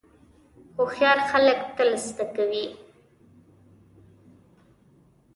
هوښیار خلک تل زده کوي.